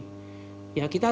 kita harus bisa menciptakan